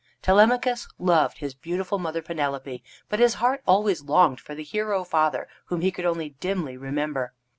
Telemachus loved his beautiful mother, Penelope, but his heart always longed for the hero father whom he could only dimly remember.